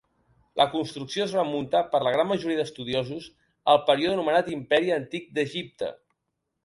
La construcció es remunta, per la gran majoria d'estudiosos, al període anomenat Imperi Antic d'Egipte.